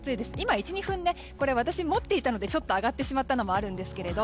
１２分でこれ私、持っていたのでちょっと上がってしまったのもあるんですけど。